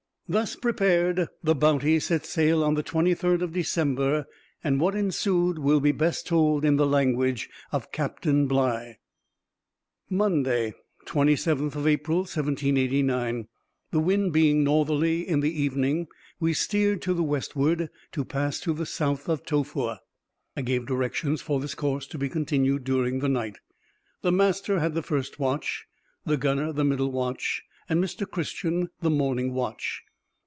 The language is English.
Thus prepared, the Bounty set sail on the 23d of December, and what ensued will be best told in the language of Captain Bligh. Monday, 27th April 1789.—The wind being northerly in the evening, we steered to the westward, to pass to the south of Tofoa. I gave directions for this course to be continued during the night. The master had the first watch, the gunner the middle watch, and Mr. Christian the morning watch.